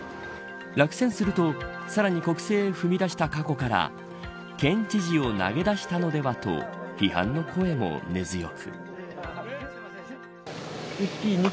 落選するとさらに国政へ踏み出した過去から県知事を投げ出したのではと批判の声も根強く。